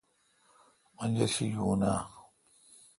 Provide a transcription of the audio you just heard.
منجرشی یون آں؟